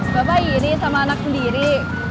bapak iri sama anak sendiri